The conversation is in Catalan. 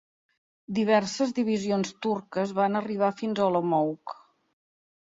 Diverses divisions turques van arribar fins a Olomouc.